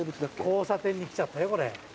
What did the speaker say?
交差点に来ちゃったよ。